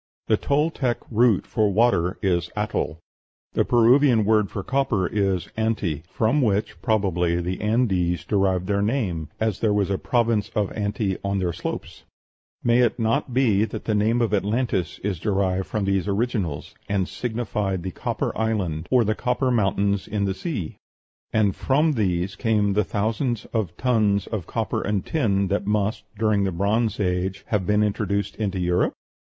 The Toltec root for water is Atl; the Peruvian word for copper is Anti (from which, probably, the Andes derived their name, as there was a province of Anti on their slopes): may it not be that the name of Atlantis is derived from these originals, and signified the copper island, or the copper mountains in the sea? And from these came the thousands of tons of copper and tin that must, during the Bronze Age, have been introduced into Europe?